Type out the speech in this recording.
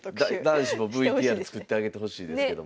男子もＶＴＲ作ってあげてほしいですけども。